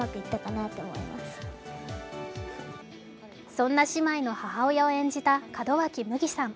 そんな姉妹の母親を演じた門脇麦さん。